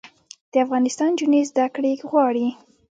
د افغانستان نجونې زده کړې غواړي